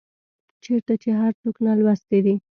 چيرته چي هر څوک نالوستي دي